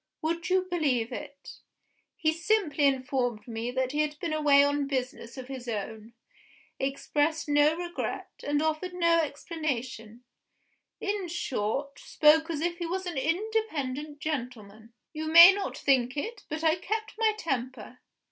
Would you believe it? he simply informed me that he had been away on business of his own; expressed no regret, and offered no explanation in short, spoke as if he was an independent gentleman. You may not think it, but I kept my temper.